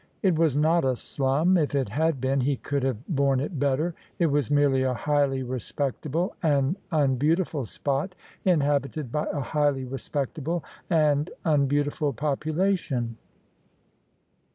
It was not a slum: if it had been, he could have borne it better: It was merely a highly respectable and unbeautiful spot inhabited by a highly respectable and unbeautiful population.